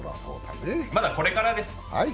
まだこれからです。